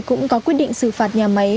cũng có quyết định xử phạt nhà máy